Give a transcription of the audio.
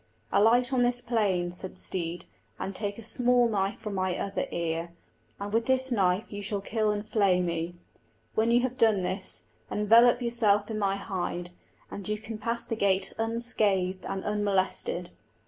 "Alight on this plain," said the steed, "and take a small knife from my other ear; and with this knife you shall kill and flay me. When you have done this, envelop yourself in my hide, and you can pass the gate unscathed and unmolested.